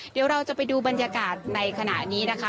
เดี๋ยวเราจะไปดูบรรยากาศในขณะนี้นะคะ